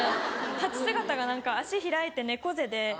立ち姿が何か足開いて猫背で。